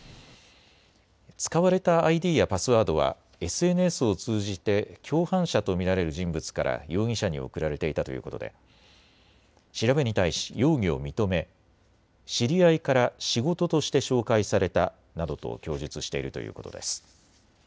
使われたＩＤやパスワードはＳＮＳを通じて共犯者と見られる人物から容疑者に送られていたということで調べに対し容疑を認め知り合いから仕事として紹介されたなどと供述しているということです。